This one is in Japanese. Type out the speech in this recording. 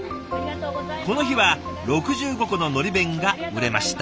この日は６５個ののり弁が売れました。